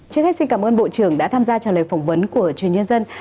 trước hết xin cảm ơn bộ trưởng đã tham gia trả lời phỏng vấn của truyền nhân dân